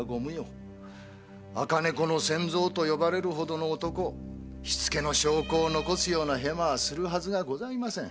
“赤猫の千蔵”と呼ばれるほどの男火付けの証拠を残すようなヘマはするはずがございません。